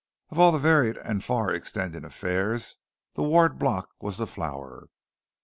Of all the varied and far extending affairs the Ward Block was the flower.